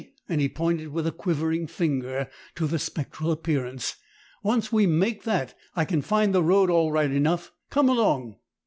and he pointed with a quivering finger to the spectral appearance. "Once we make that, I can find the road all right enough. Come along!"